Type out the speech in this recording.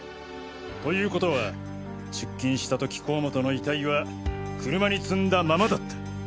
ということは出勤した時甲本の遺体は車に積んだままだった。